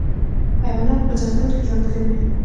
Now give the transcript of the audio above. حیوانات په ځنګل کې ژوند کوي.